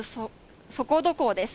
そこどこうです。